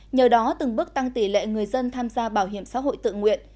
nhờ đó từng bước tăng tỷ lệ người dân tham gia bảo hiểm xã hội tự nguyện